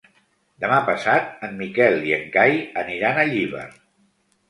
Demà passat en Miquel i en Cai aniran a Llíber.